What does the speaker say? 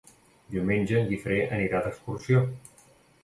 Diumenge en Guifré anirà d'excursió.